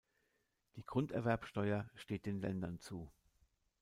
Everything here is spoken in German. Die Grunderwerbsteuer steht den Ländern zu.